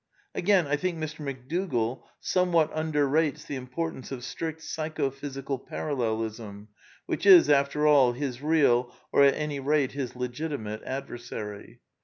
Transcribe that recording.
Again, I think Mr. McDougall somewhat underrates the importance of strict Psycho physical Parallelism, which is, after all, his real, or at any rate, his legitimate adversary.